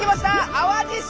淡路島！